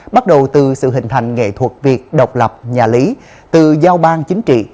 bắt đầu từ sự hình thành nghệ thuật việt độc lập nhà lý từ giao bang chính trị